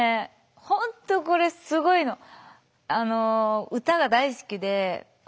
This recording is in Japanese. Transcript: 本当これすごいの歌が大好きで。